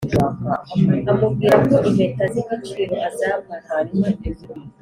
amubwira ko impeta zigiciro azambara